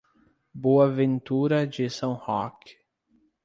Boa Ventura de São Roque